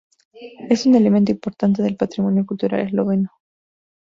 Es un elemento importante del patrimonio cultural esloveno.